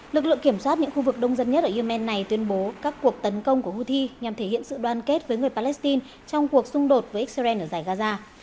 lực lượng kiểm soát những khu vực đông dân nhất ở yemen này tuyên bố các cuộc tấn công của houthi nhằm thể hiện sự đoàn kết với người palestine trong cuộc xung đột với israel ở giải gaza